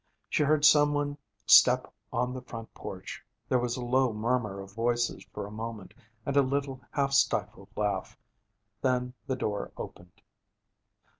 She heard some one step on the front porch. There was a low murmur of voices for a moment and a little half stifled laugh. Then the door opened.